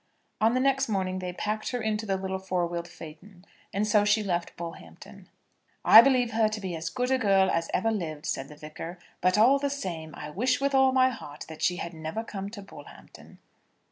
On the next morning they packed her into the little four wheeled phaeton, and so she left Bullhampton. "I believe her to be as good a girl as ever lived," said the Vicar; "but all the same, I wish with all my heart that she had never come to Bullhampton."